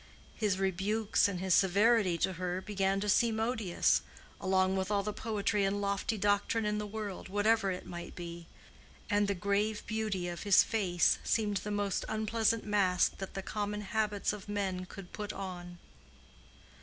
His rebukes and his severity to her began to seem odious, along with all the poetry and lofty doctrine in the world, whatever it might be; and the grave beauty of his face seemed the most unpleasant mask that the common habits of men could put on.